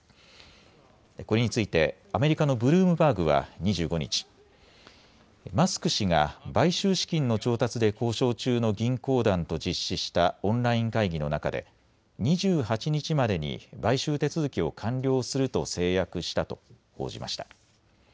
これについてアメリカのブルームバーグは２５日、マスク氏が買収資金の調達で交渉中の銀行団と実施したオンライン会議の中で２８日までに買収手続きを完了すると誓約したと報じました。